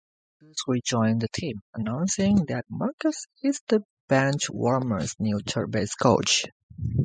Gus re-joins the team, announcing that Marcus is the Benchwarmers' new third-base coach.